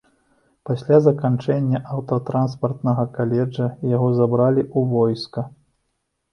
Пасля заканчэння аўтатранспартнага каледжа, яго забралі ў войска.